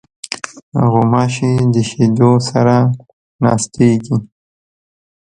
غوماشې د شیدو سره ناستېږي.